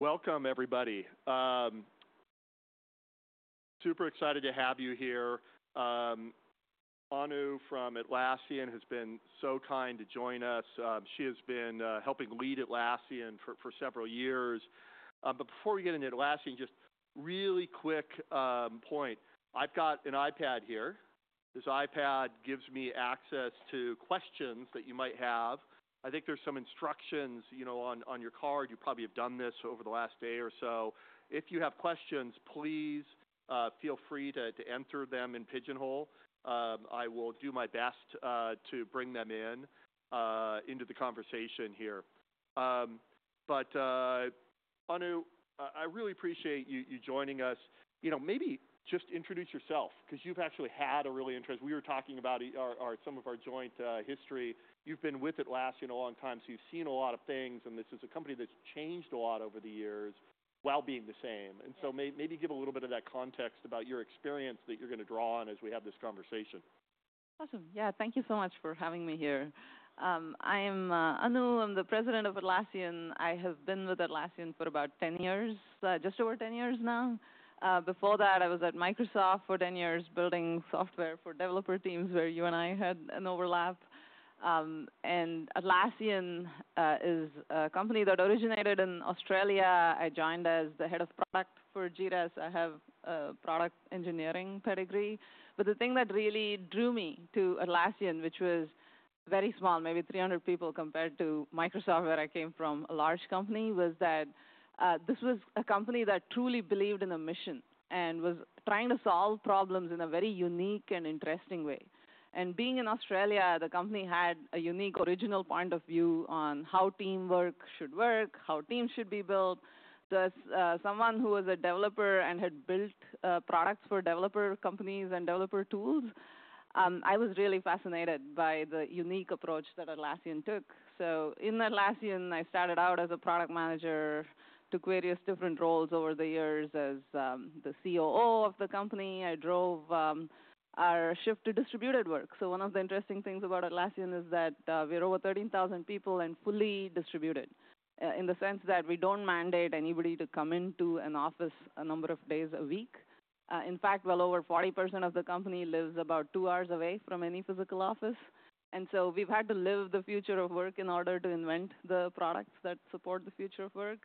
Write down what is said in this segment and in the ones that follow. Welcome, everybody. Super excited to have you here. Anu from Atlassian has been so kind to join us. She has been helping lead Atlassian for several years. Before we get into Atlassian, just a really quick point. I've got an iPad here. This iPad gives me access to questions that you might have. I think there are some instructions, you know, on your card. You probably have done this over the last day or so. If you have questions, please feel free to enter them in Pigeonhole. I will do my best to bring them into the conversation here. Anu, I really appreciate you joining us. You know, maybe just introduce yourself 'cause you've actually had a really interesting—we were talking about our, some of our joint history. You've been with Atlassian a long time, so you've seen a lot of things, and this is a company that's changed a lot over the years while being the same. Maybe give a little bit of that context about your experience that you're gonna draw on as we have this conversation. Awesome. Yeah. Thank you so much for having me here. I am Anu. I'm the President of Atlassian. I have been with Atlassian for about 10 years, just over 10 years now. Before that, I was at Microsoft for 10 years building software for developer teams where you and I had an overlap. Atlassian is a company that originated in Australia. I joined as the head of product for Jira. I have a product engineering pedigree. The thing that really drew me to Atlassian, which was very small, maybe 300 people compared to Microsoft where I came from, a large company, was that this was a company that truly believed in a mission and was trying to solve problems in a very unique and interesting way. Being in Australia, the company had a unique original point of view on how teamwork should work, how teams should be built. As someone who was a developer and had built products for developer companies and developer tools, I was really fascinated by the unique approach that Atlassian took. In Atlassian, I started out as a product manager, took various different roles over the years as the COO of the company. I drove our shift to distributed work. One of the interesting things about Atlassian is that we are over 13,000 people and fully distributed, in the sense that we do not mandate anybody to come into an office a number of days a week. In fact, well over 40% of the company lives about two hours away from any physical office. We have had to live the future of work in order to invent the products that support the future of work.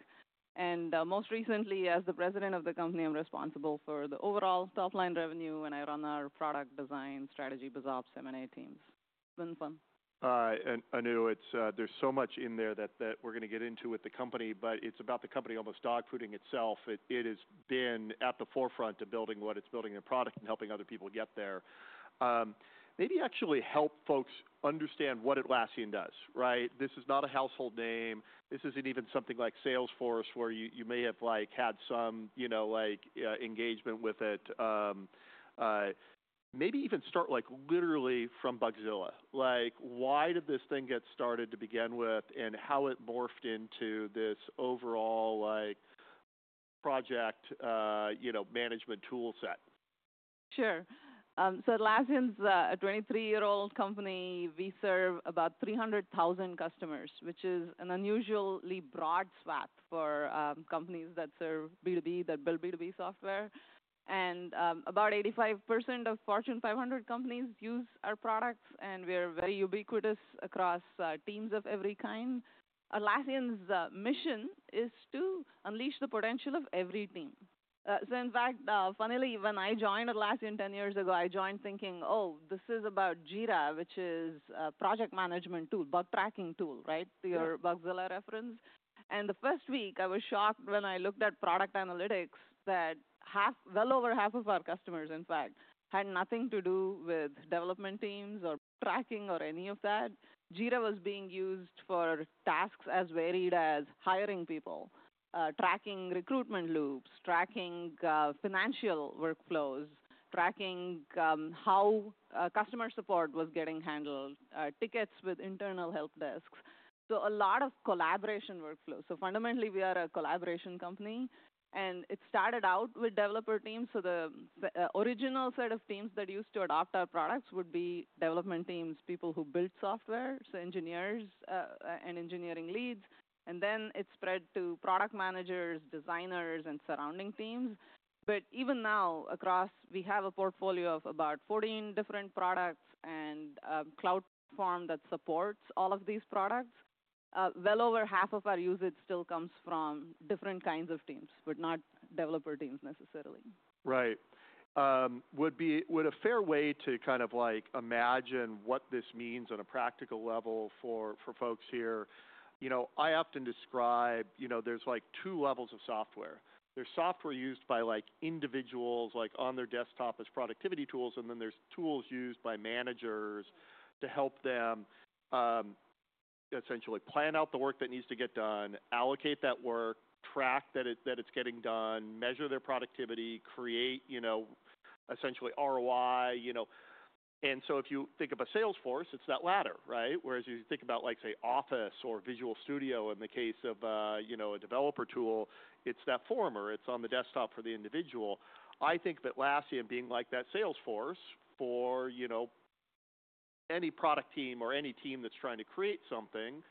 Most recently, as the President of the company, I am responsible for the overall top-line revenue, and I run our product design, strategy, BizOps, M&A teams. It has been fun. Anu, it's, there's so much in there that we're gonna get into with the company, but it's about the company almost dogfooding itself. It has been at the forefront of building what it's building in a product and helping other people get there. Maybe actually help folks understand what Atlassian does, right? This is not a household name. This isn't even something like Salesforce where you, you may have, like, had some, you know, like, engagement with it. Maybe even start, like, literally from Bugzilla. Like, why did this thing get started to begin with, and how it morphed into this overall, like, project, you know, management toolset? Sure. Atlassian's a 23-year-old company. We serve about 300,000 customers, which is an unusually broad swath for companies that serve B2B, that build B2B software. About 85% of Fortune 500 companies use our products, and we are very ubiquitous across teams of every kind. Atlassian's mission is to unleash the potential of every team. In fact, funnily, when I joined Atlassian 10 years ago, I joined thinking, "Oh, this is about Jira, which is a project management tool, bug tracking tool, right? Mm-hmm. Your Bugzilla reference. In the first week, I was shocked when I looked at product analytics that half—well over half of our customers, in fact—had nothing to do with development teams or bug tracking or any of that. Jira was being used for tasks as varied as hiring people, tracking recruitment loops, tracking financial workflows, tracking how customer support was getting handled, tickets with internal help desks. A lot of collaboration workflows. Fundamentally, we are a collaboration company, and it started out with developer teams. The original set of teams that used to adopt our products would be development teams, people who built software, so engineers and engineering leads. It spread to product managers, designers, and surrounding teams. Even now, across—we have a portfolio of about 14 different products and a cloud platform that supports all of these products. Over half of our usage still comes from different kinds of teams, but not developer teams necessarily. Right. Would a fair way to kind of, like, imagine what this means on a practical level for, for folks here? You know, I often describe, you know, there's, like, two levels of software. There's software used by, like, individuals, like, on their desktop as productivity tools, and then there's tools used by managers to help them, essentially plan out the work that needs to get done, allocate that work, track that it—that it's getting done, measure their productivity, create, you know, essentially ROI, you know. If you think of a Salesforce, it's that latter, right? Whereas if you think about, like, say, Office or Visual Studio in the case of, you know, a developer tool, it's that former. It's on the desktop for the individual. I think of Atlassian being like that Salesforce for, you know, any product team or any team that's trying to create something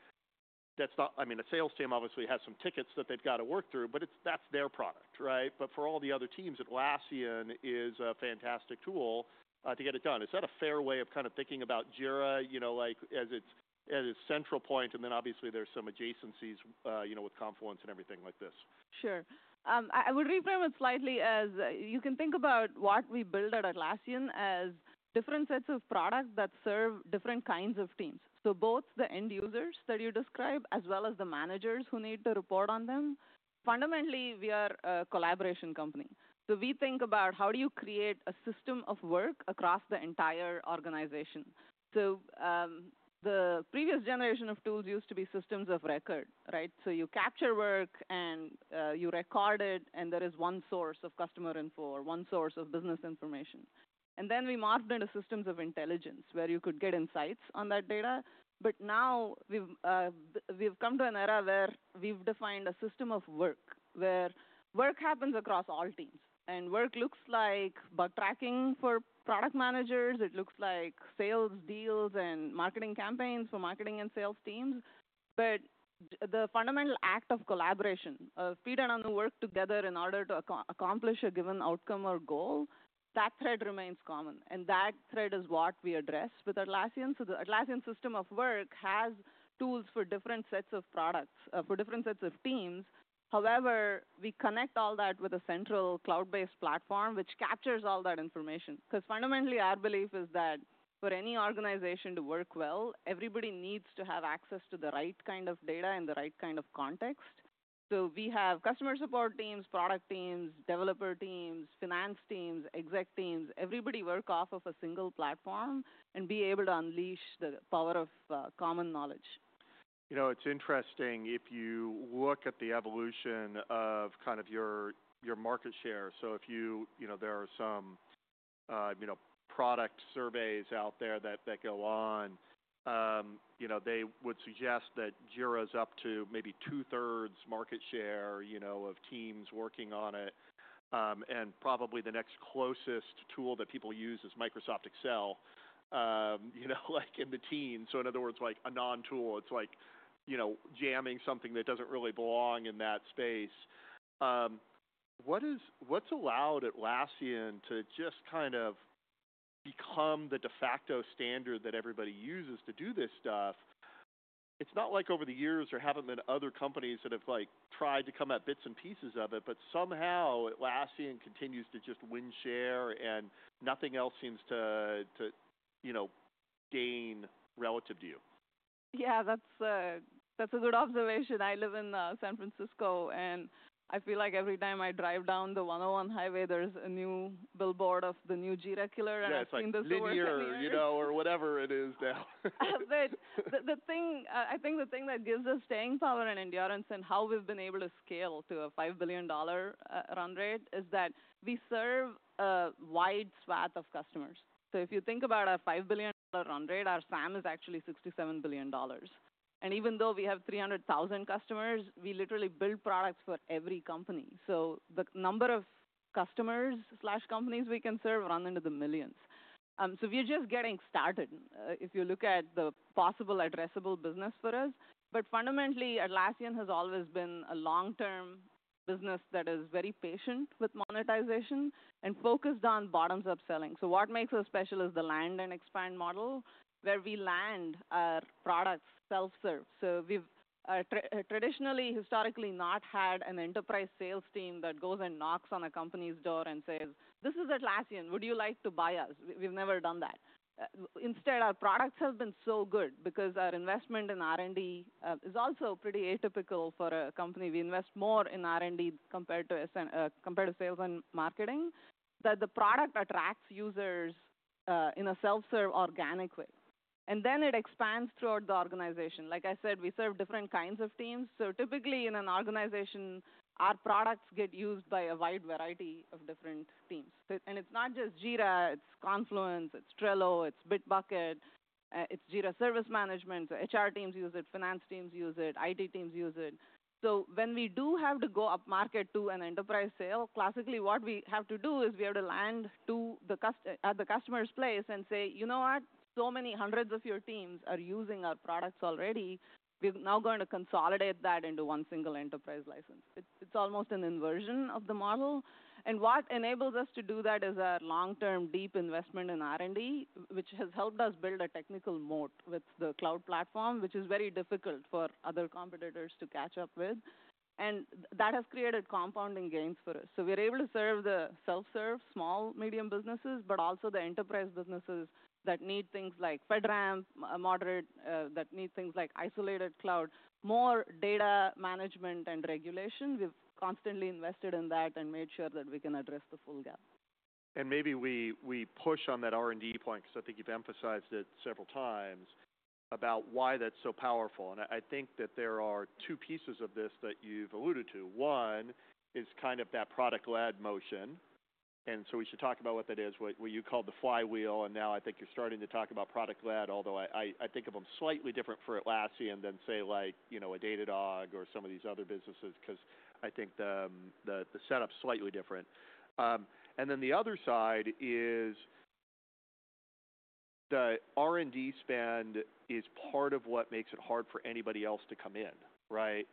that's not—I mean, a sales team obviously has some tickets that they've gotta work through, but it's—that's their product, right? For all the other teams, Atlassian is a fantastic tool, to get it done. Is that a fair way of kind of thinking about Jira, you know, like, as its—as its central point? Obviously there's some adjacencies, you know, with Confluence and everything like this. Sure. I would reframe it slightly as, you can think about what we build at Atlassian as different sets of products that serve different kinds of teams. So both the end users that you describe as well as the managers who need to report on them. Fundamentally, we are a collaboration company. We think about how do you create a system of work across the entire organization. The previous generation of tools used to be systems of record, right? You capture work and, you record it, and there is one source of customer info or one source of business information. Then we morphed into systems of intelligence where you could get insights on that data. Now we've come to an era where we've defined a system of work where work happens across all teams. Work looks like bug tracking for product managers. It looks like sales deals and marketing campaigns for marketing and sales teams. The fundamental act of collaboration, of Peter and Anu work together in order to accom—accomplish a given outcome or goal, that thread remains common. That thread is what we address with Atlassian. The Atlassian system of work has tools for different sets of products, for different sets of teams. However, we connect all that with a central cloud-based platform which captures all that information. 'Cause fundamentally, our belief is that for any organization to work well, everybody needs to have access to the right kind of data and the right kind of context. We have customer support teams, product teams, developer teams, finance teams, exec teams. Everybody works off of a single platform and be able to unleash the power of, common knowledge. You know, it's interesting if you look at the evolution of kind of your market share. If you—there are some product surveys out there that go on. You know, they would suggest that Jira's up to maybe 2/3 market share of teams working on it, and probably the next closest tool that people use is Microsoft Excel, you know, like, in the teens. In other words, like, a non-tool. It's like, you know, jamming something that doesn't really belong in that space. What is—what's allowed Atlassian to just kind of become the de facto standard that everybody uses to do this stuff? It's not like over the years there haven't been other companies that have, like, tried to come at bits and pieces of it, but somehow Atlassian continues to just win share and nothing else seems to, you know, gain relative to you. Yeah. That's a good observation. I live in San Francisco, and I feel like every time I drive down the 101 Highway, there's a new billboard of the new Jira killer and I've seen this over and over. Yeah. It's like, "New Jira," you know, or whatever it is now. The thing, uh, I think the thing that gives us staying power and endurance and how we've been able to scale to a $5 billion run rate is that we serve a wide swath of customers. If you think about our $5 billion run rate, our SAM is actually $67 billion. Even though we have 300,000 customers, we literally build products for every company. The number of customers or companies we can serve runs into the millions. We are just getting started, if you look at the possible addressable business for us. Fundamentally, Atlassian has always been a long-term business that is very patient with monetization and focused on bottoms-up selling. What makes us special is the land and expand model where we land our products self-serve. We've traditionally, historically not had an enterprise sales team that goes and knocks on a company's door and says, "This is Atlassian. Would you like to buy us?" We've never done that. Instead, our products have been so good because our investment in R&D is also pretty atypical for a company. We invest more in R&D compared to sales and marketing that the product attracts users, in a self-serve organic way. Then it expands throughout the organization. Like I said, we serve different kinds of teams. Typically, in an organization, our products get used by a wide variety of different teams. It's not just Jira. It's Confluence. It's Trello. It's Bitbucket. It's Jira Service Management. HR teams use it. Finance teams use it. IT teams use it. When we do have to go upmarket to an enterprise sale, classically, what we have to do is we have to land at the customer's place and say, "You know what? So many hundreds of your teams are using our products already. We're now going to consolidate that into one single enterprise license." It's almost an inversion of the model. What enables us to do that is our long-term deep investment in R&D, which has helped us build a technical moat with the cloud platform, which is very difficult for other competitors to catch up with. That has created compounding gains for us. We're able to serve the self-serve small, medium businesses, but also the enterprise businesses that need things like FedRAMP, moderate, that need things like isolated cloud, more data management and regulation. We've constantly invested in that and made sure that we can address the full gap. Maybe we, we push on that R&D point 'cause I think you've emphasized it several times about why that's so powerful. I think that there are two pieces of this that you've alluded to. One is kind of that product-led motion. We should talk about what that is, what you called the flywheel. I think you're starting to talk about product-led, although I think of them slightly different for Atlassian than, say, like, you know, a Datadog or some of these other businesses 'cause I think the setup's slightly different. The other side is the R&D spend is part of what makes it hard for anybody else to come in, right?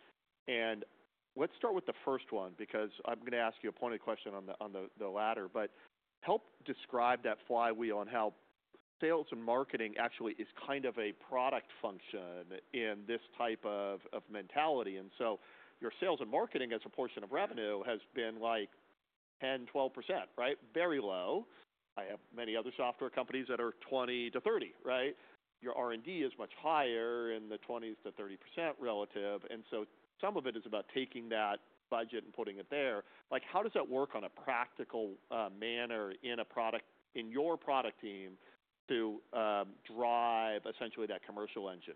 Let's start with the first one because I'm gonna ask you a pointed question on the latter. Help describe that flywheel and how sales and marketing actually is kind of a product function in this type of mentality. Your sales and marketing as a portion of revenue has been like 10%-12%, right? Very low. I have many other software companies that are 20%-30%, right? Your R&D is much higher in the 20%-30% relative. Some of it is about taking that budget and putting it there. How does that work on a practical manner in your product team to drive essentially that commercial engine?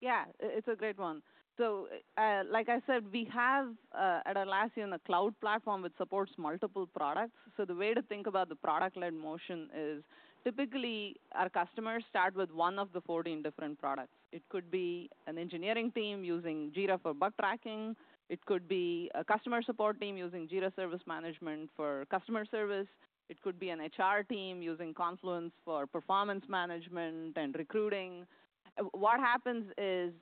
Yeah. It's a great one. Like I said, we have, at Atlassian, a cloud platform which supports multiple products. The way to think about the product-led motion is typically our customers start with one of the 14 different products. It could be an engineering team using Jira for bug tracking. It could be a customer support team using Jira Service Management for customer service. It could be an HR team using Confluence for performance management and recruiting. What happens is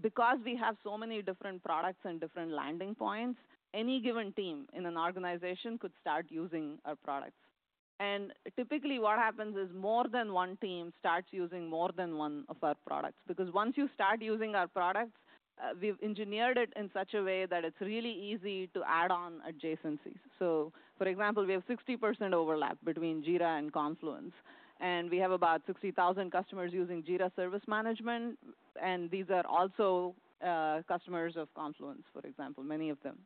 because we have so many different products and different landing points, any given team in an organization could start using our products. Typically what happens is more than one team starts using more than one of our products because once you start using our products, we've engineered it in such a way that it's really easy to add on adjacencies. For example, we have 60% overlap between Jira and Confluence, and we have about 60,000 customers using Jira Service Management. These are also customers of Confluence, for example, many of them.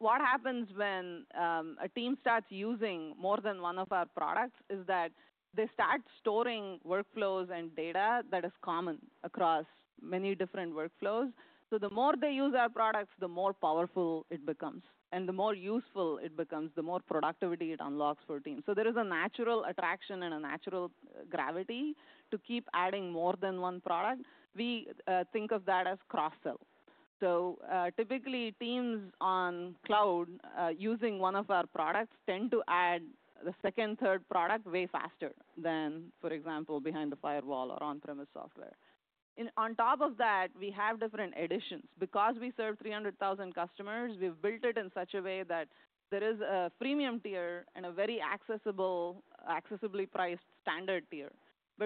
What happens when a team starts using more than one of our products is that they start storing workflows and data that is common across many different workflows. The more they use our products, the more powerful it becomes. The more useful it becomes, the more productivity it unlocks for teams. There is a natural attraction and a natural gravity to keep adding more than one product. We think of that as cross-sell. Typically, teams on cloud, using one of our products, tend to add the second, third product way faster than, for example, behind the firewall or on-premise software. On top of that, we have different editions. Because we serve 300,000 customers, we've built it in such a way that there is a freemium tier and a very accessible, accessibly priced standard tier.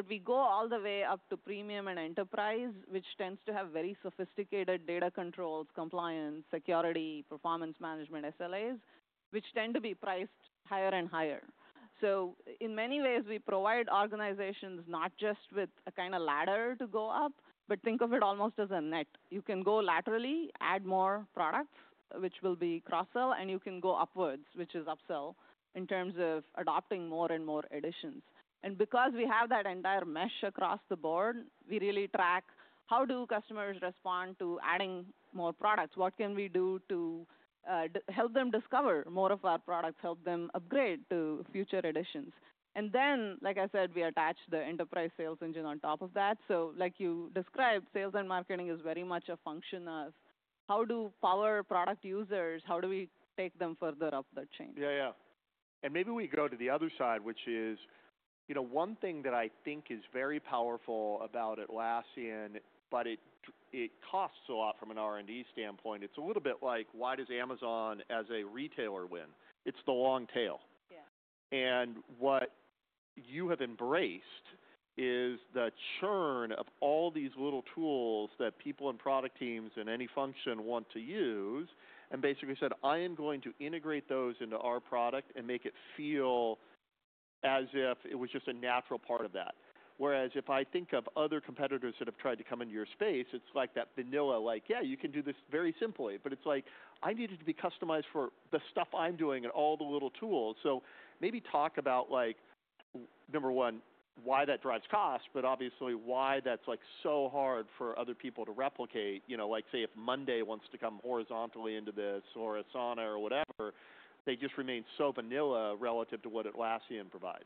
We go all the way up to premium and enterprise, which tends to have very sophisticated data controls, compliance, security, performance management, SLAs, which tend to be priced higher and higher. In many ways, we provide organizations not just with a kind of ladder to go up, but think of it almost as a net. You can go laterally, add more products, which will be cross-sell, and you can go upwards, which is upsell in terms of adopting more and more additions. Because we have that entire mesh across the board, we really track how do customers respond to adding more products? What can we do to help them discover more of our products, help them upgrade to future additions? Like I said, we attach the enterprise sales engine on top of that. Like you described, sales and marketing is very much a function of how do power product users, how do we take them further up the chain? Yeah. Yeah. Maybe we go to the other side, which is, you know, one thing that I think is very powerful about Atlassian, but it costs a lot from an R&D standpoint. It's a little bit like, why does Amazon as a retailer win? It's the long tail. Yeah. What you have embraced is the churn of all these little tools that people in product teams and any function want to use and basically said, "I am going to integrate those into our product and make it feel as if it was just a natural part of that." Whereas if I think of other competitors that have tried to come into your space, it is like that vanilla, like, "Yeah. You can do this very simply." It is like, "I need it to be customized for the stuff I am doing and all the little tools." Maybe talk about, number one, why that drives cost, but obviously why that is so hard for other people to replicate, you know, like, say, if Monday wants to come horizontally into this or Asana or whatever, they just remain so vanilla relative to what Atlassian provides.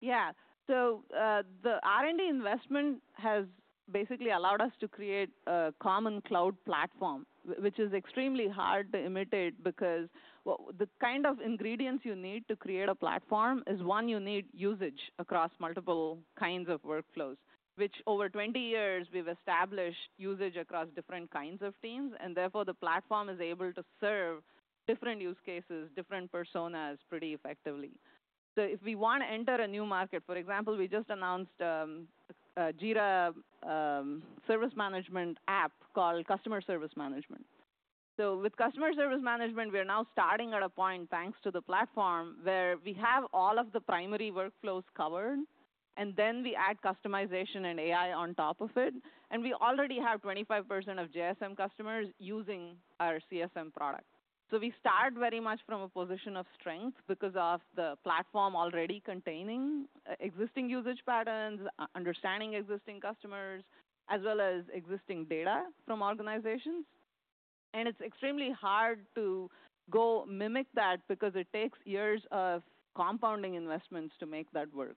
Yeah. The R&D investment has basically allowed us to create a common cloud platform, which is extremely hard to imitate because the kind of ingredients you need to create a platform is, one, you need usage across multiple kinds of workflows, which over 20 years we have established usage across different kinds of teams. Therefore, the platform is able to serve different use cases, different personas pretty effectively. If we want to enter a new market, for example, we just announced a Jira Service Management app called Customer Service Management. With Customer Service Management, we are now starting at a point thanks to the platform where we have all of the primary workflows covered, and then we add customization and AI on top of it. We already have 25% of JSM customers using our CSM product. We start very much from a position of strength because of the platform already containing existing usage patterns, understanding existing customers, as well as existing data from organizations. It's extremely hard to go mimic that because it takes years of compounding investments to make that work.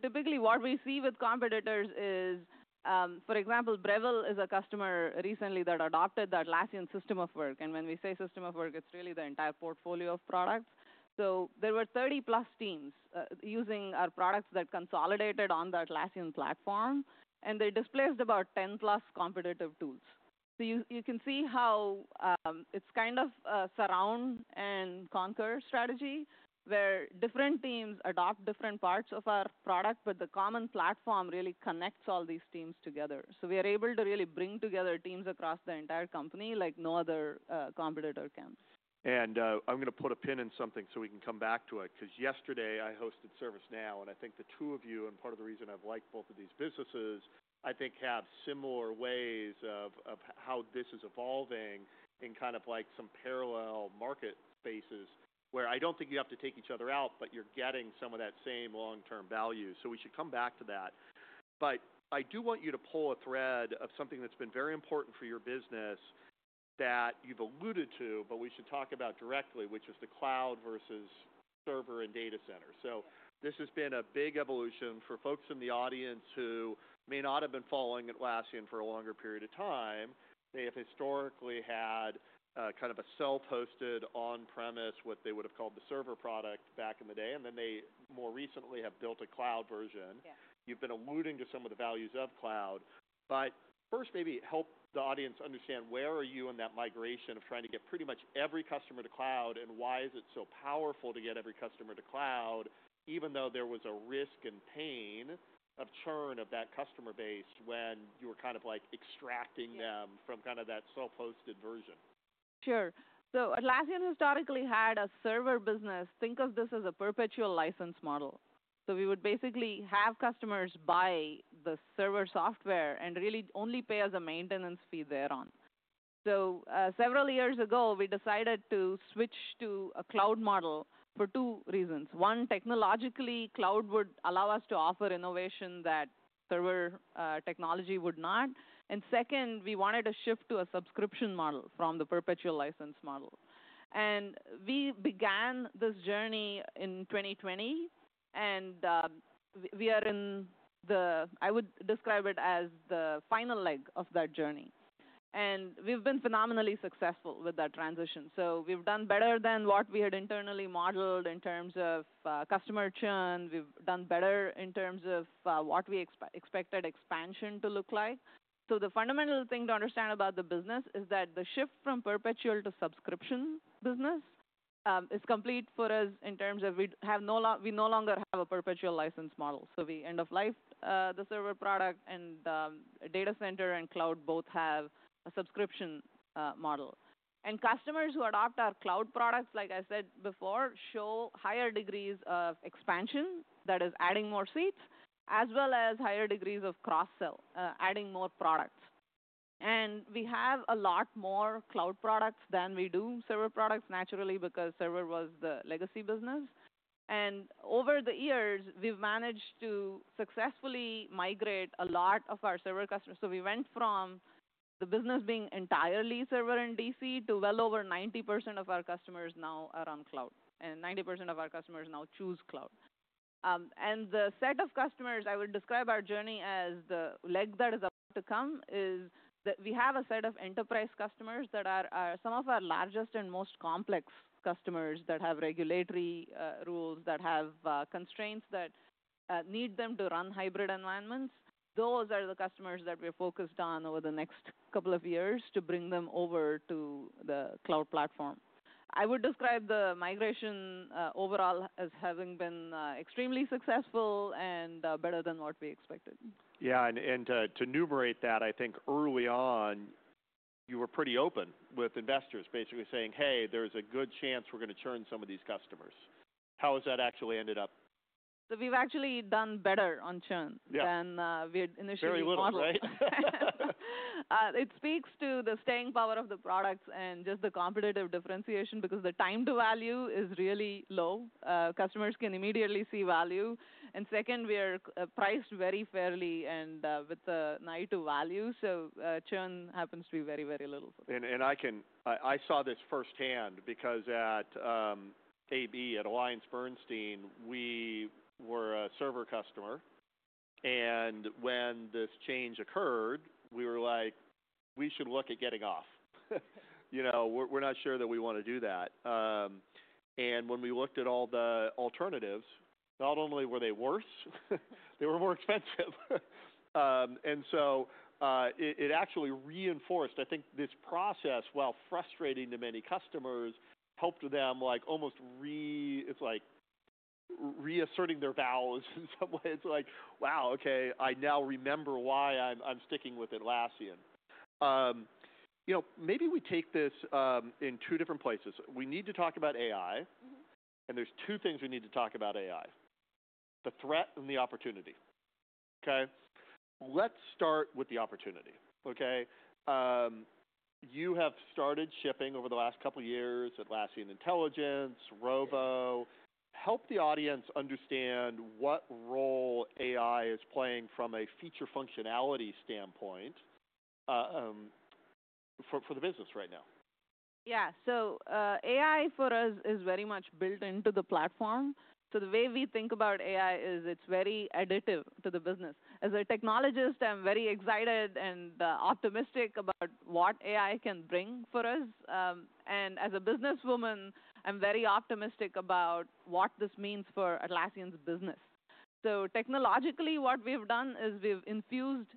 Typically what we see with competitors is, for example, Breville is a customer recently that adopted the Atlassian system of work. When we say system of work, it's really the entire portfolio of products. There were 30+ teams using our products that consolidated on the Atlassian platform, and they displaced about 10+ competitive tools. You can see how it's kind of a surround and conquer strategy where different teams adopt different parts of our product, but the common platform really connects all these teams together. We are able to really bring together teams across the entire company like no other competitor can. I'm gonna put a pin in something so we can come back to it 'cause yesterday I hosted ServiceNow, and I think the two of you, and part of the reason I've liked both of these businesses, I think have similar ways of how this is evolving in kind of like some parallel market spaces where I don't think you have to take each other out, but you're getting some of that same long-term value. We should come back to that. I do want you to pull a thread of something that's been very important for your business that you've alluded to, but we should talk about directly, which is the cloud versus server and data center. This has been a big evolution for folks in the audience who may not have been following Atlassian for a longer period of time. They have historically had, kind of a self-hosted on-premise, what they would have called the server product back in the day. They more recently have built a cloud version. Yeah. You've been alluding to some of the values of cloud. First, maybe help the audience understand where are you in that migration of trying to get pretty much every customer to cloud and why is it so powerful to get every customer to cloud, even though there was a risk and pain of churn of that customer base when you were kind of like extracting them from kind of that self-hosted version. Sure. Atlassian historically had a server business. Think of this as a perpetual license model. We would basically have customers buy the server software and really only pay as a maintenance fee thereon. Several years ago, we decided to switch to a cloud model for two reasons. One, technologically, cloud would allow us to offer innovation that server technology would not. Second, we wanted to shift to a subscription model from the perpetual license model. We began this journey in 2020, and I would describe it as the final leg of that journey. We have been phenomenally successful with that transition. We have done better than what we had internally modeled in terms of customer churn. We have done better in terms of what we expect expansion to look like. The fundamental thing to understand about the business is that the shift from perpetual to subscription business is complete for us in terms of we no longer have a perpetual license model. We end of life the server product, and data center and cloud both have a subscription model. Customers who adopt our cloud products, like I said before, show higher degrees of expansion, that is, adding more seats as well as higher degrees of cross-sell, adding more products. We have a lot more cloud products than we do server products naturally because server was the legacy business. Over the years, we've managed to successfully migrate a lot of our server customers. We went from the business being entirely server in DC to well over 90% of our customers now are on cloud, and 90% of our customers now choose cloud. The set of customers I would describe our journey as the leg that is about to come is that we have a set of enterprise customers that are some of our largest and most complex customers that have regulatory rules that have constraints that need them to run hybrid environments. Those are the customers that we're focused on over the next couple of years to bring them over to the cloud platform. I would describe the migration overall as having been extremely successful and better than what we expected. Yeah. And to enumerate that, I think early on you were pretty open with investors basically saying, "Hey, there's a good chance we're gonna churn some of these customers." How has that actually ended up? We've actually done better on churn. Yeah. Than we had initially modeled. Very little, right? It speaks to the staying power of the products and just the competitive differentiation because the time to value is really low. Customers can immediately see value. Second, we are priced very fairly and with a night to value. Churn happens to be very, very little for us. I can, I saw this firsthand because at AllianceBernstein, we were a server customer. When this change occurred, we were like, "We should look at getting off." You know, we're not sure that we wanna do that. When we looked at all the alternatives, not only were they worse, they were more expensive. It actually reinforced, I think, this process, while frustrating to many customers, helped them like almost re, it's like reasserting their vows in some way. It's like, "Wow, okay. I now remember why I'm sticking with Atlassian." You know, maybe we take this in two different places. We need to talk about AI. Mm-hmm. There are two things we need to talk about with AI: the threat and the opportunity. Okay? Let's start with the opportunity. Okay? You have started shipping over the last couple of years Atlassian Intelligence, Rovo. Help the audience understand what role AI is playing from a feature functionality standpoint, for the business right now. Yeah. AI for us is very much built into the platform. The way we think about AI is it's very additive to the business. As a technologist, I'm very excited and optimistic about what AI can bring for us, and as a businesswoman, I'm very optimistic about what this means for Atlassian's business. Technologically, what we've done is we've infused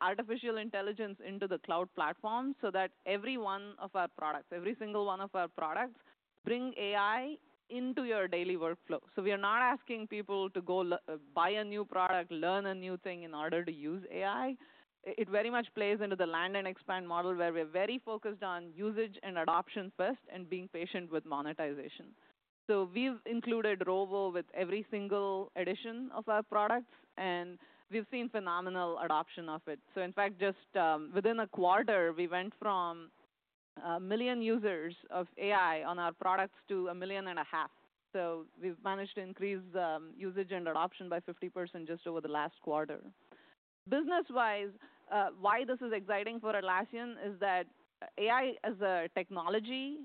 artificial intelligence into the cloud platform so that every one of our products, every single one of our products, bring AI into your daily workflow. We are not asking people to go buy a new product, learn a new thing in order to use AI. It very much plays into the land and expand model where we are very focused on usage and adoption first and being patient with monetization. We've included Rovo with every single edition of our products, and we've seen phenomenal adoption of it. In fact, just within a quarter, we went from 1 million users of AI on our products to 1.5 million. We've managed to increase usage and adoption by 50% just over the last quarter. Business-wise, why this is exciting for Atlassian is that AI as a technology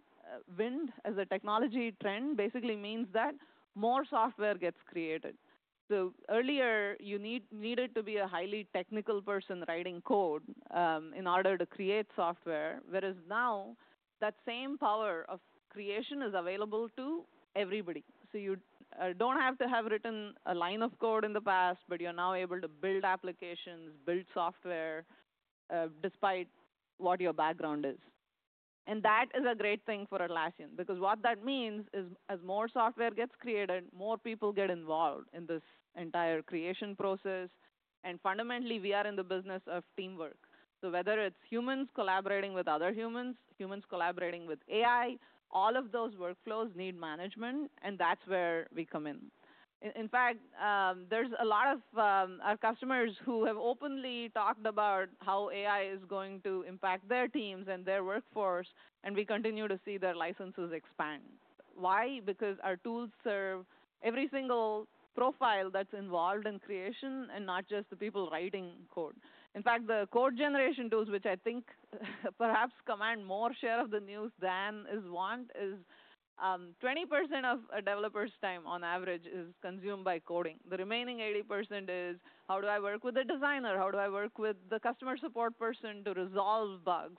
trend basically means that more software gets created. Earlier, you needed to be a highly technical person writing code in order to create software, whereas now that same power of creation is available to everybody. You don't have to have written a line of code in the past, but you're now able to build applications, build software, despite what your background is. That is a great thing for Atlassian because what that means is as more software gets created, more people get involved in this entire creation process. Fundamentally, we are in the business of teamwork. Whether it's humans collaborating with other humans, humans collaborating with AI, all of those workflows need management, and that's where we come in. In fact, there are a lot of our customers who have openly talked about how AI is going to impact their teams and their workforce, and we continue to see their licenses expand. Why? Because our tools serve every single profile that's involved in creation and not just the people writing code. In fact, the code generation tools, which I think perhaps command more share of the news than is want, is, 20% of a developer's time on average is consumed by coding. The remaining 80% is, how do I work with the designer? How do I work with the customer support person to resolve bugs?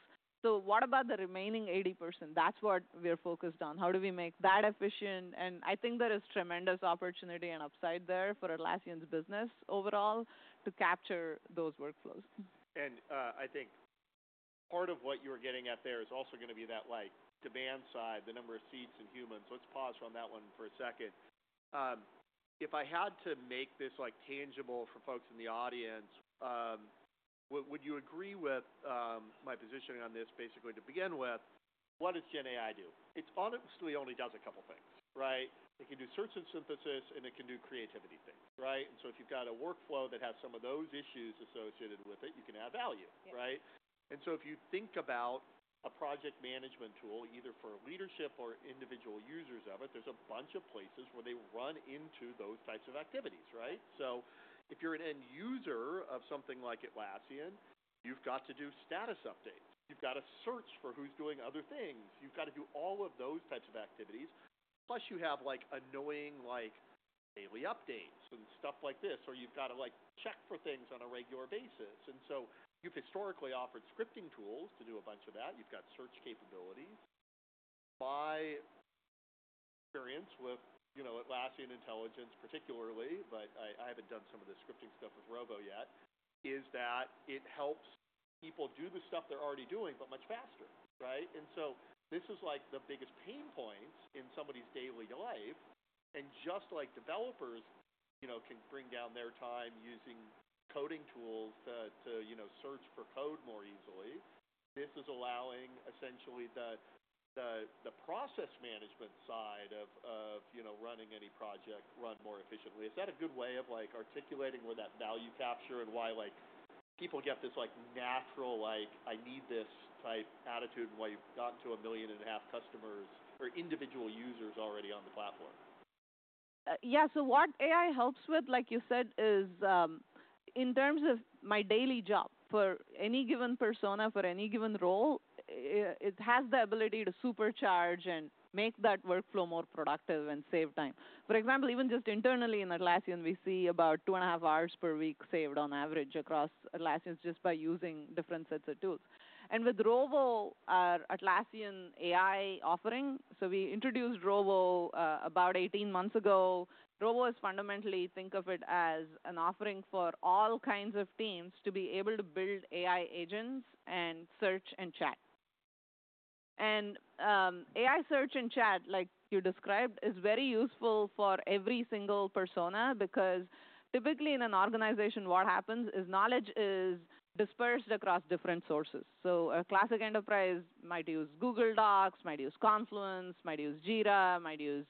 What about the remaining 80%? That is what we are focused on. How do we make that efficient? I think there is tremendous opportunity and upside there for Atlassian's business overall to capture those workflows. I think part of what you were getting at there is also gonna be that, like, demand side, the number of seats and humans. Let's pause on that one for a second. If I had to make this, like, tangible for folks in the audience, would you agree with my positioning on this basically to begin with, what does GenAI do? It honestly only does a couple of things, right? It can do search and synthesis, and it can do creativity things, right? If you've got a workflow that has some of those issues associated with it, you can add value, right? If you think about a project management tool, either for leadership or individual users of it, there's a bunch of places where they run into those types of activities, right? If you're an end user of something like Atlassian, you've got to do status updates. You've gotta search for who's doing other things. You've gotta do all of those types of activities. Plus, you have, like, annoying, like, daily updates and stuff like this, or you've gotta, like, check for things on a regular basis. You have historically offered scripting tools to do a bunch of that. You've got search capabilities. My experience with, you know, Atlassian Intelligence particularly, but I haven't done some of the scripting stuff with Rovo yet, is that it helps people do the stuff they're already doing, but much faster, right? This is like the biggest pain points in somebody's daily life. Just like developers, you know, can bring down their time using coding tools to, you know, search for code more easily, this is allowing essentially the process management side of, you know, running any project run more efficiently. Is that a good way of, like, articulating where that value capture and why, like, people get this, like, natural, like, "I need this" type attitude and why you've gotten to 1.5 million customers or individual users already on the platform? Yeah. What AI helps with, like you said, is, in terms of my daily job for any given persona, for any given role, it has the ability to supercharge and make that workflow more productive and save time. For example, even just internally in Atlassian, we see about 2.5 hours per week saved on average across Atlassians just by using different sets of tools. With Rovo, our Atlassian AI offering, we introduced Rovo about 18 months ago. Rovo is fundamentally, think of it as an offering for all kinds of teams to be able to build AI agents and search and chat. AI search and chat, like you described, is very useful for every single persona because typically in an organization, what happens is knowledge is dispersed across different sources. A classic enterprise might use Google Docs, might use Confluence, might use Jira, might use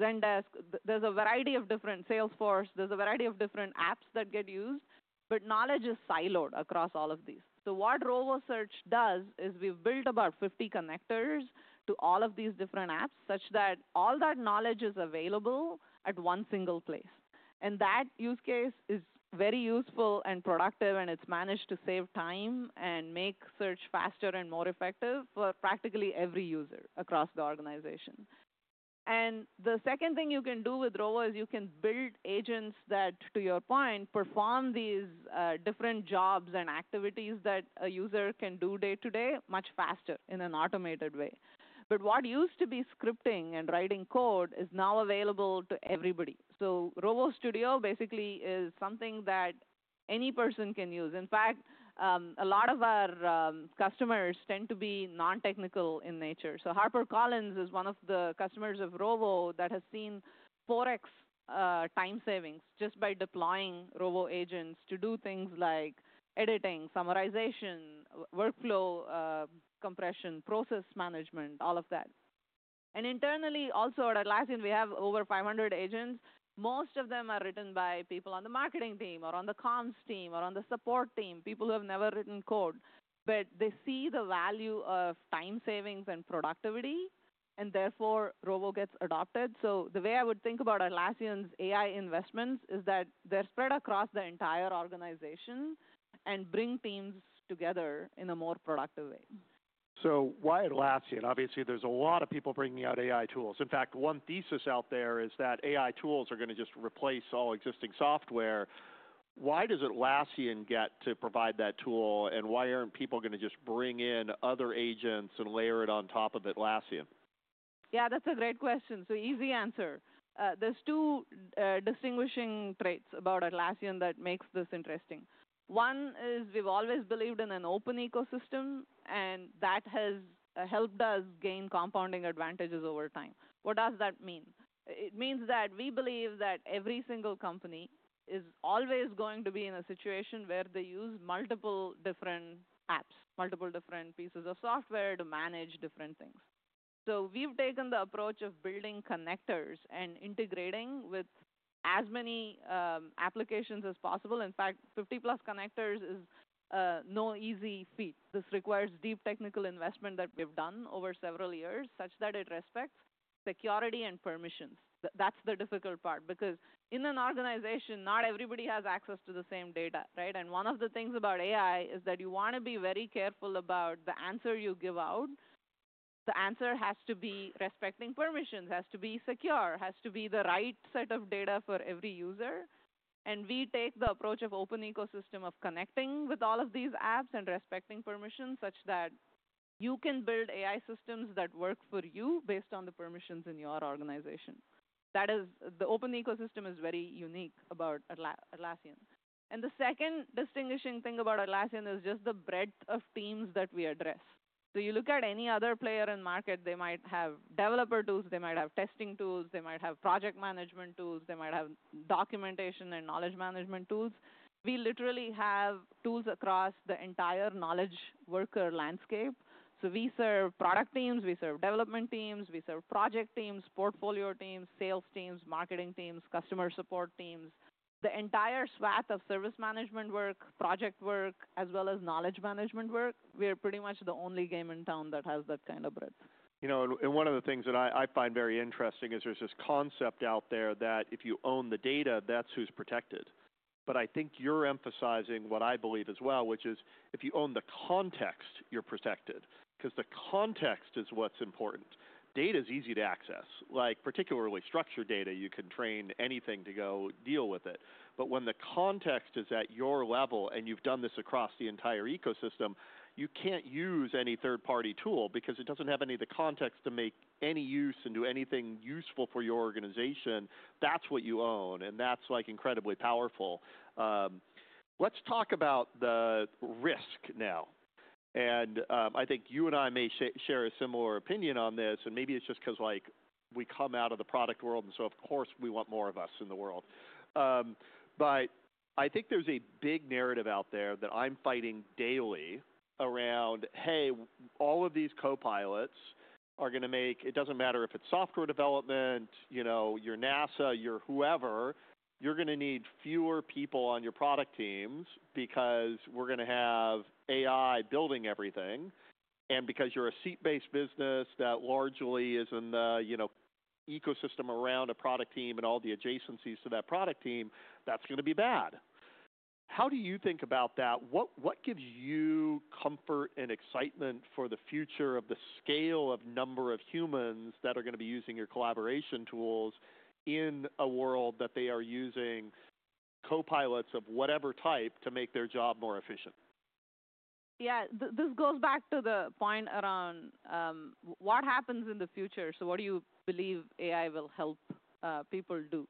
Zendesk. There's a variety of different Salesforce. There's a variety of different apps that get used, but knowledge is siloed across all of these. What Rovo Search does is we've built about 50 connectors to all of these different apps such that all that knowledge is available at one single place. That use case is very useful and productive, and it's managed to save time and make search faster and more effective for practically every user across the organization. The second thing you can do with Rovo is you can build agents that, to your point, perform these different jobs and activities that a user can do day to day much faster in an automated way. What used to be scripting and writing code is now available to everybody. Rovo Studio basically is something that any person can use. In fact, a lot of our customers tend to be non-technical in nature. HarperCollins is one of the customers of Rovo that has seen 4x time savings just by deploying Rovo agents to do things like editing, summarization, workflow, compression, process management, all of that. Internally also at Atlassian, we have over 500 agents. Most of them are written by people on the marketing team or on the comms team or on the support team, people who have never written code, but they see the value of time savings and productivity, and therefore Rovo gets adopted. The way I would think about Atlassian's AI investments is that they're spread across the entire organization and bring teams together in a more productive way. Why Atlassian? Obviously, there's a lot of people bringing out AI tools. In fact, one thesis out there is that AI tools are gonna just replace all existing software. Why does Atlassian get to provide that tool, and why aren't people gonna just bring in other agents and layer it on top of Atlassian? Yeah, that's a great question. Easy answer. There's two distinguishing traits about Atlassian that makes this interesting. One is we've always believed in an open ecosystem, and that has helped us gain compounding advantages over time. What does that mean? It means that we believe that every single company is always going to be in a situation where they use multiple different apps, multiple different pieces of software to manage different things. We've taken the approach of building connectors and integrating with as many applications as possible. In fact, 50+ connectors is no easy feat. This requires deep technical investment that we've done over several years such that it respects security and permissions. That's the difficult part because in an organization, not everybody has access to the same data, right? One of the things about AI is that you wanna be very careful about the answer you give out. The answer has to be respecting permissions, has to be secure, has to be the right set of data for every user. We take the approach of open ecosystem of connecting with all of these apps and respecting permissions such that you can build AI systems that work for you based on the permissions in your organization. That open ecosystem is very unique about Atlassian. The second distinguishing thing about Atlassian is just the breadth of teams that we address. You look at any other player in market, they might have developer tools, they might have testing tools, they might have project management tools, they might have documentation and knowledge management tools. We literally have tools across the entire knowledge worker landscape. We serve product teams, we serve development teams, we serve project teams, portfolio teams, sales teams, marketing teams, customer support teams, the entire swath of service management work, project work, as well as knowledge management work. We are pretty much the only game in town that has that kind of breadth. You know, and one of the things that I find very interesting is there's this concept out there that if you own the data, that's who's protected. I think you're emphasizing what I believe as well, which is if you own the context, you're protected 'cause the context is what's important. Data's easy to access. Like, particularly structured data, you can train anything to go deal with it. When the context is at your level and you've done this across the entire ecosystem, you can't use any third-party tool because it doesn't have any of the context to make any use and do anything useful for your organization. That's what you own, and that's like incredibly powerful. Let's talk about the risk now. I think you and I may share a similar opinion on this, and maybe it's just 'cause, like, we come out of the product world, and so of course we want more of us in the world. I think there's a big narrative out there that I'm fighting daily around, hey, all of these co-pilots are gonna make it doesn't matter if it's software development, you know, you're NASA, you're whoever, you're gonna need fewer people on your product teams because we're gonna have AI building everything. And because you're a seat-based business that largely is in the, you know, ecosystem around a product team and all the adjacencies to that product team, that's gonna be bad. How do you think about that? What gives you comfort and excitement for the future of the scale of number of humans that are gonna be using your collaboration tools in a world that they are using co-pilots of whatever type to make their job more efficient? Yeah. This goes back to the point around, what happens in the future. What do you believe AI will help people do?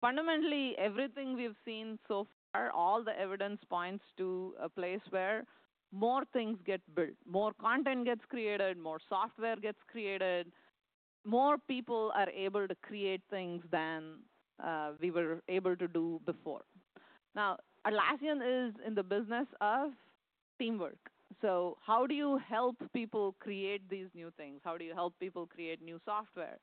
Fundamentally, everything we've seen so far, all the evidence points to a place where more things get built, more content gets created, more software gets created, more people are able to create things than we were able to do before. Now, Atlassian is in the business of teamwork. How do you help people create these new things? How do you help people create new software?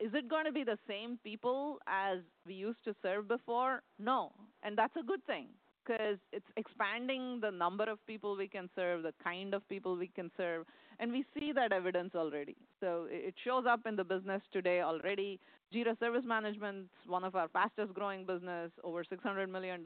Is it gonna be the same people as we used to serve before? No. That's a good thing 'cause it's expanding the number of people we can serve, the kind of people we can serve. We see that evidence already. It shows up in the business today already. Jira Service Management's one of our fastest growing business, over $600 million.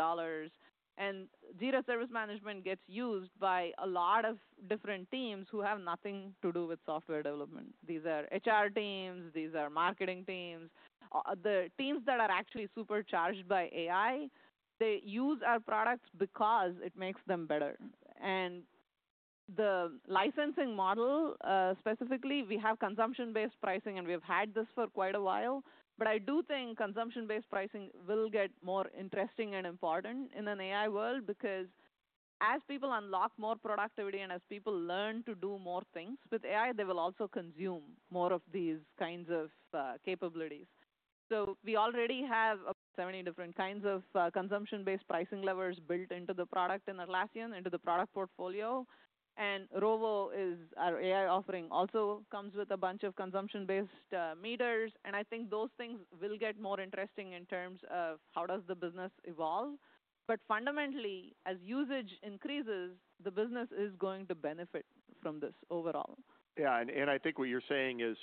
Jira Service Management gets used by a lot of different teams who have nothing to do with software development. These are HR teams, these are marketing teams. The teams that are actually supercharged by AI, they use our products because it makes them better. The licensing model, specifically, we have consumption-based pricing, and we've had this for quite a while. I do think consumption-based pricing will get more interesting and important in an AI world because as people unlock more productivity and as people learn to do more things with AI, they will also consume more of these kinds of capabilities. We already have about 70 different kinds of consumption-based pricing levers built into the product in Atlassian, into the product portfolio. Rovo is our AI offering, also comes with a bunch of consumption-based meters. I think those things will get more interesting in terms of how does the business evolve. Fundamentally, as usage increases, the business is going to benefit from this overall. Yeah. And I think what you're saying is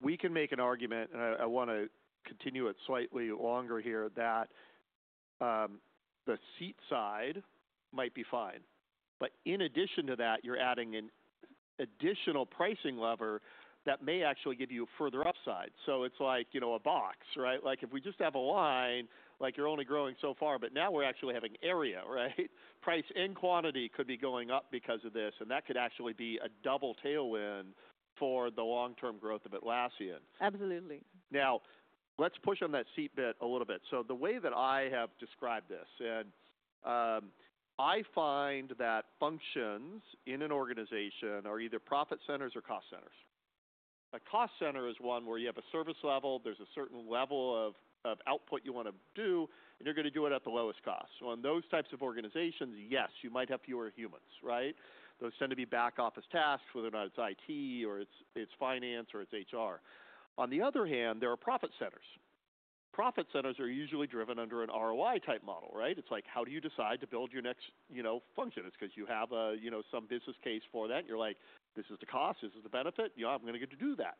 we can make an argument, and I wanna continue it slightly longer here that the seat side might be fine, but in addition to that, you're adding an additional pricing lever that may actually give you further upside. It's like, you know, a box, right? If we just have a line, like, you're only growing so far, but now we're actually having area, right? Price and quantity could be going up because of this, and that could actually be a double tailwind for the long-term growth of Atlassian. Absolutely. Now, let's push on that seat bit a little bit. The way that I have described this, I find that functions in an organization are either profit centers or cost centers. A cost center is one where you have a service level, there's a certain level of output you wanna do, and you're gonna do it at the lowest cost. On those types of organizations, yes, you might have fewer humans, right? Those tend to be back office tasks, whether or not it's IT or it's finance or it's HR. On the other hand, there are profit centers. Profit centers are usually driven under an ROI type model, right? It's like, how do you decide to build your next, you know, function? It's 'cause you have a, you know, some business case for that, and you're like, this is the cost, this is the benefit, you know, I'm gonna get to do that.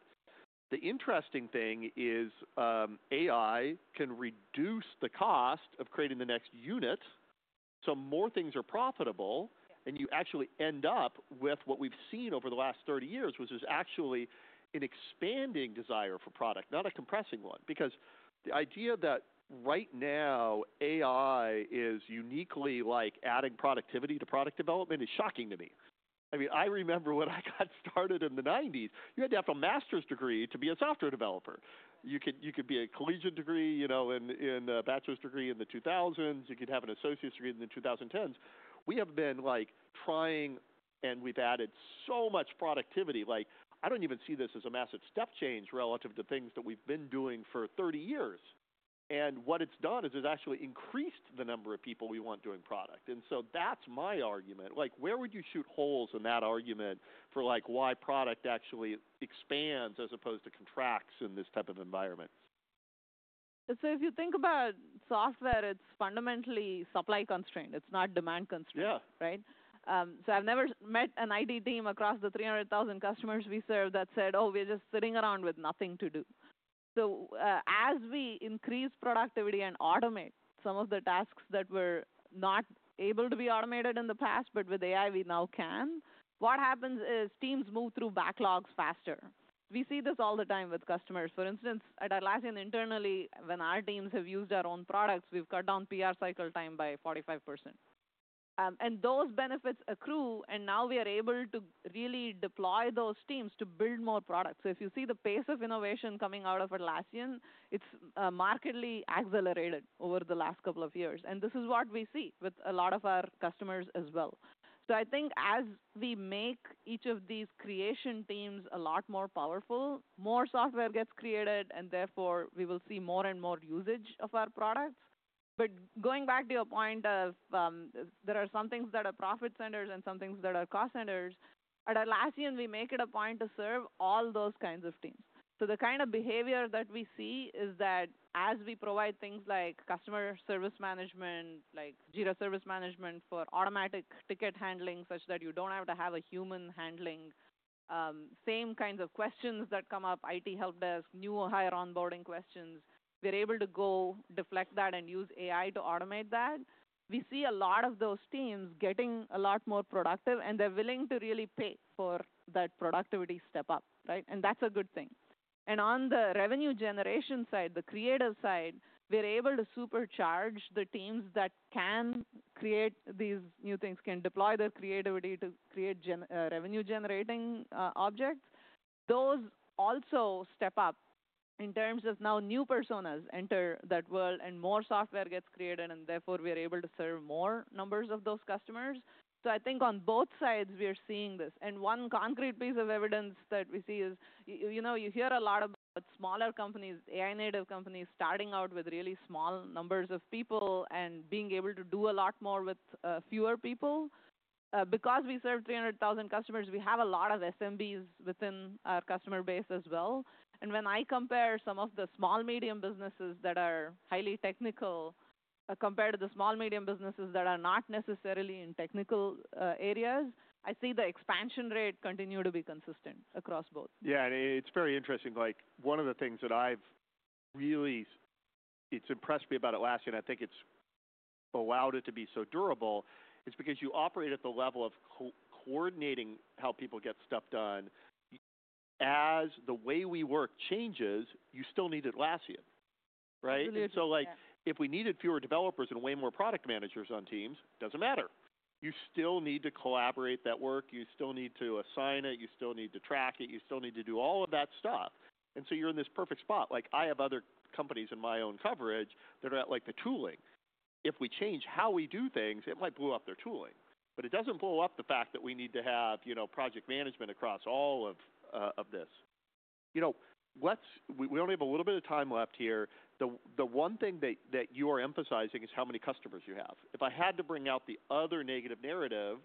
The interesting thing is, AI can reduce the cost of creating the next unit, so more things are profitable. Yeah. You actually end up with what we've seen over the last 30 years, which is actually an expanding desire for product, not a compressing one. The idea that right now AI is uniquely like adding productivity to product development is shocking to me. I mean, I remember when I got started in the 1990s, you had to have a master's degree to be a software developer. You could be a collegiate degree, you know, a bachelor's degree in the 2000s. You could have an associate's degree in the 2010s. We have been like trying, and we've added so much productivity. I don't even see this as a massive step change relative to things that we've been doing for 30 years. What it's done is it's actually increased the number of people we want doing product. That's my argument. Like, where would you shoot holes in that argument for like why product actually expands as opposed to contracts in this type of environment? If you think about software, it's fundamentally supply constrained. It's not demand constrained. Yeah. Right? So I've never met an IT team across the 300,000 customers we serve that said, oh, we're just sitting around with nothing to do. As we increase productivity and automate some of the tasks that were not able to be automated in the past, but with AI, we now can, what happens is teams move through backlogs faster. We see this all the time with customers. For instance, at Atlassian internally, when our teams have used our own products, we've cut down PR cycle time by 45%. Those benefits accrue, and now we are able to really deploy those teams to build more products. If you see the pace of innovation coming out of Atlassian, it's markedly accelerated over the last couple of years. This is what we see with a lot of our customers as well. I think as we make each of these creation teams a lot more powerful, more software gets created, and therefore we will see more and more usage of our products. Going back to your point of, there are some things that are profit centers and some things that are cost centers. At Atlassian, we make it a point to serve all those kinds of teams. The kind of behavior that we see is that as we provide things like customer service management, like Jira Service Management for automatic ticket handling such that you do not have to have a human handling the same kinds of questions that come up, IT help desk, new or higher onboarding questions, we are able to go deflect that and use AI to automate that. We see a lot of those teams getting a lot more productive, and they're willing to really pay for that productivity step up, right? That's a good thing. On the revenue generation side, the creative side, we're able to supercharge the teams that can create these new things, can deploy their creativity to create gen revenue-generating objects. Those also step up in terms of now new personas enter that world, and more software gets created, and therefore we are able to serve more numbers of those customers. I think on both sides, we are seeing this. One concrete piece of evidence that we see is, you know, you hear a lot about smaller companies, AI-native companies starting out with really small numbers of people and being able to do a lot more with fewer people. Because we serve 300,000 customers, we have a lot of SMBs within our customer base as well. When I compare some of the small-medium businesses that are highly technical, compared to the small-medium businesses that are not necessarily in technical areas, I see the expansion rate continue to be consistent across both. Yeah. It's very interesting. Like, one of the things that I've really—it's impressed me about Atlassian, I think it's allowed it to be so durable, is because you operate at the level of coordinating how people get stuff done. As the way we work changes, you still need Atlassian, right? Absolutely. Like, if we needed fewer developers and way more product managers on teams, it doesn't matter. You still need to collaborate that work. You still need to assign it. You still need to track it. You still need to do all of that stuff. You're in this perfect spot. I have other companies in my own coverage that are at the tooling. If we change how we do things, it might blow up their tooling, but it doesn't blow up the fact that we need to have, you know, project management across all of this. You know, we only have a little bit of time left here. The one thing that you are emphasizing is how many customers you have. If I had to bring out the other negative narrative,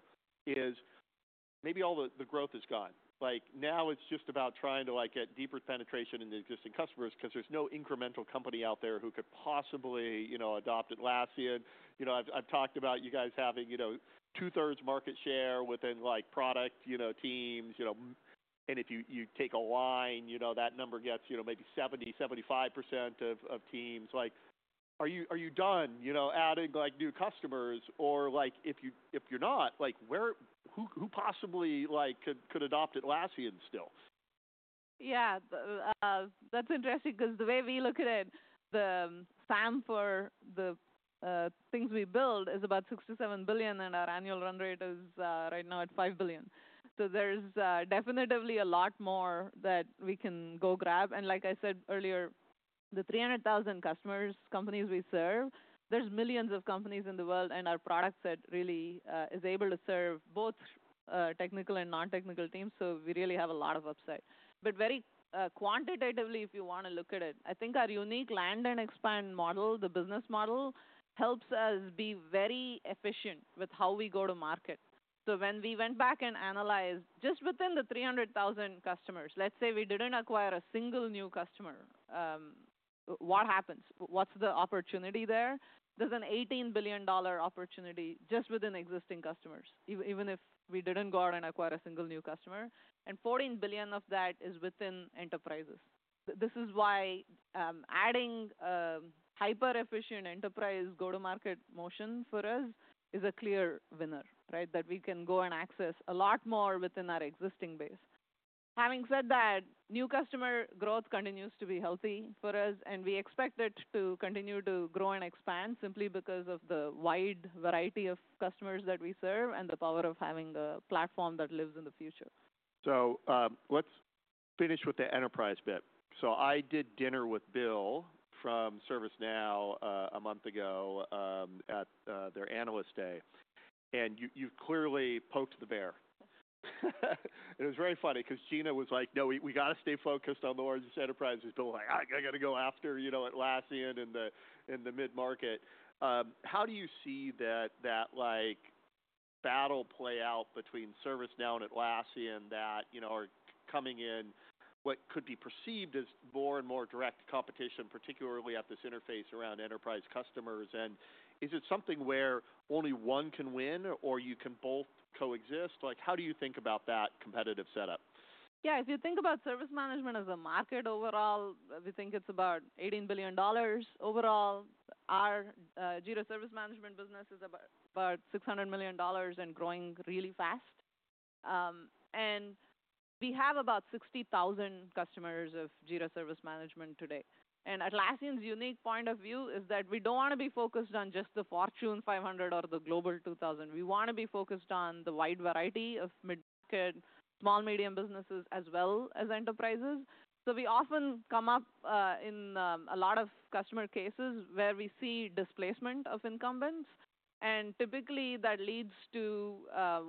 maybe all the growth is gone. Like, now it's just about trying to like get deeper penetration in the existing customers 'cause there's no incremental company out there who could possibly, you know, adopt Atlassian. You know, I've talked about you guys having, you know, 2/3 market share within like product, you know, teams, and if you take a line, you know, that number gets, you know, maybe 70%-75% of teams. Like, are you, are you done, you know, adding like new customers? Or like, if you're not, like where who, who possibly like could, could adopt Atlassian still? Yeah, that's interesting 'cause the way we look at it, the SAM for the things we build is about $67 billion, and our annual run rate is right now at $5 billion. There's definitely a lot more that we can go grab. Like I said earlier, the 300,000 customer companies we serve, there's millions of companies in the world, and our product set really is able to serve both technical and non-technical teams. We really have a lot of upside. Very quantitatively, if you wanna look at it, I think our unique land and expand model, the business model helps us be very efficient with how we go to market. When we went back and analyzed just within the 300,000 customers, let's say we didn't acquire a single new customer, what happens? What's the opportunity there? There's an $18 billion opportunity just within existing customers, even if we didn't go out and acquire a single new customer. And $14 billion of that is within enterprises. This is why, adding, hyper-efficient enterprise go-to-market motion for us is a clear winner, right? That we can go and access a lot more within our existing base. Having said that, new customer growth continues to be healthy for us, and we expect it to continue to grow and expand simply because of the wide variety of customers that we serve and the power of having a platform that lives in the future. Let's finish with the enterprise bit. I did dinner with Bill from ServiceNow a month ago at their Analyst Day, and you, you've clearly poked the bear. It was very funny 'cause Gina was like, "No, we, we gotta stay focused on the largest enterprises." Bill was like, "I gotta go after, you know, Atlassian in the, in the mid-market." How do you see that, that like battle play out between ServiceNow and Atlassian that, you know, are coming in what could be perceived as more and more direct competition, particularly at this interface around enterprise customers? Is it something where only one can win or you can both coexist? Like, how do you think about that competitive setup? Yeah. If you think about service management as a market overall, we think it's about $18 billion overall. Our Jira Service Management business is about $600 million and growing really fast. We have about 60,000 customers of Jira Service Management today. Atlassian's unique point of view is that we don't wanna be focused on just the Fortune 500 or the Global 2000. We wanna be focused on the wide variety of mid-market, small-medium businesses as well as enterprises. We often come up, in a lot of customer cases where we see displacement of incumbents. Typically, that leads to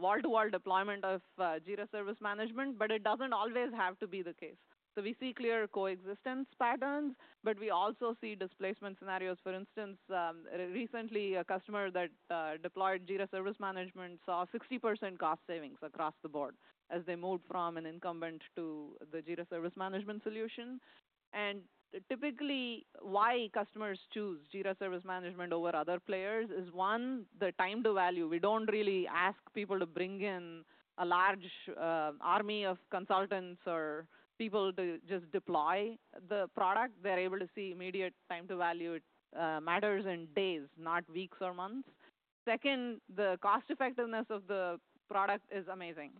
wall-to-wall deployment of Jira Service Management, but it doesn't always have to be the case. We see clear coexistence patterns, but we also see displacement scenarios. For instance, recently, a customer that deployed Jira Service Management saw 60% cost savings across the board as they moved from an incumbent to the Jira Service Management solution. Typically, why customers choose Jira Service Management over other players is, one, the time to value. We do not really ask people to bring in a large army of consultants or people to just deploy the product. They are able to see immediate time to value, matters in days, not weeks or months. Second, the cost-effectiveness of the product is amazing.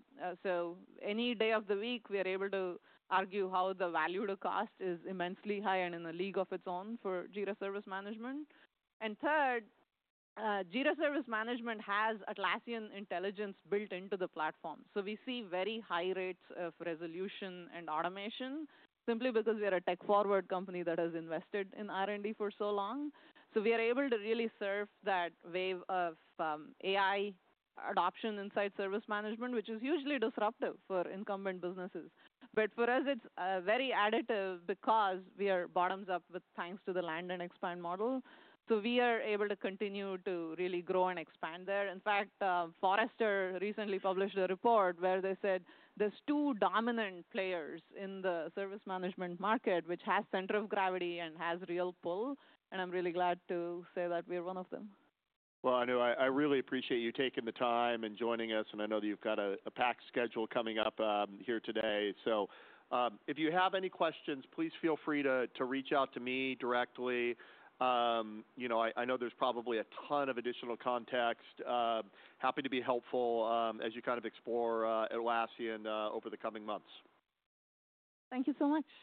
Any day of the week, we are able to argue how the value-to-cost is immensely high and in a league of its own for Jira Service Management. Third, Jira Service Management has Atlassian Intelligence built into the platform. We see very high rates of resolution and automation simply because we are a tech-forward company that has invested in R&D for so long. We are able to really serve that wave of AI adoption inside service management, which is usually disruptive for incumbent businesses. For us, it is very additive because we are bottoms-up thanks to the land and expand model. We are able to continue to really grow and expand there. In fact, Forrester recently published a report where they said there are two dominant players in the service management market, which has center of gravity and has real pull. I am really glad to say that we are one of them. I really appreciate you taking the time and joining us, and I know that you've got a packed schedule coming up here today. If you have any questions, please feel free to reach out to me directly. You know, I know there's probably a ton of additional context. Happy to be helpful as you kind of explore Atlassian over the coming months. Thank you so much.